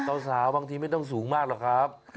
สาวบางทีไม่ต้องสูงมากหรอกครับ